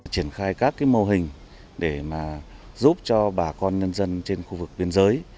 triển khai các mô hình để giúp cho bà con nhân dân trên khu vực biên giới